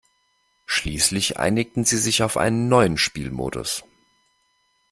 Schließlich einigten sie sich auf einen neuen Spielmodus.